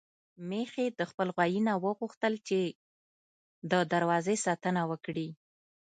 ميښې د خپل غويي نه وغوښتل چې د دروازې ساتنه وکړي.